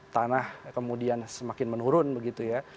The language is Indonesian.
tanah kemudian semakin menurun begitu ya